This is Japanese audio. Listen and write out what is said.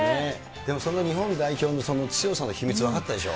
でもその日本代表のその強さの秘密、分かったでしょ。